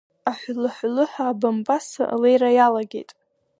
Аҳәылы-ҳәылыҳәа абамба-сы алеира иалагеит.